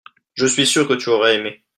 je suis sûr que tu aurais aimé.